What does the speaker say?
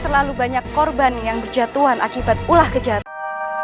terlalu banyak korban yang berjatuhan akibat ulah kejatuh